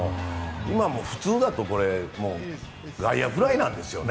今も普通だと内野フライなんですよね。